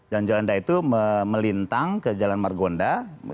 jalan juanda itu melintang ke jalan margonda